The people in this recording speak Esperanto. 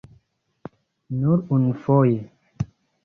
Nur unufoje.